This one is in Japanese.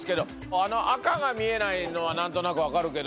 あの赤が見えないのは何となく分かるけど。